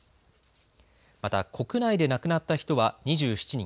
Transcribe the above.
また、国内で亡くなった人は２７人。